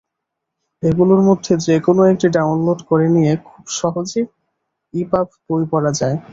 এগুলোর মধ্যে যেকোনো একটি ডাউনলোড করে নিয়ে খুব সহজে ইপাব বই পড়া যায়।